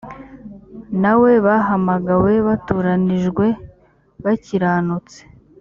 na we bahamagawe batoranijwe bakiranutse